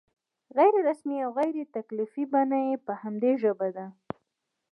غیر رسمي او غیر تکلفي بڼه یې په همدې ژبه ده.